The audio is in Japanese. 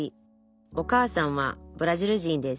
お母さんはブラジル人です